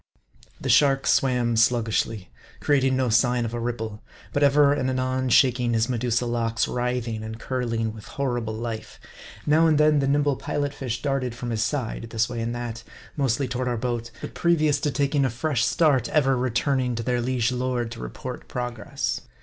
The shark swam sluggishly ; creating no sign of a ripple ; but ever and anon shaking his Medusa locks, writhing and curling with horrible life. Now and then, the nimble Pilot fish darted from his side this way and that mostly to ward our boat ; but previous to taking a fresh start ever re turning to their liege lord to report progress.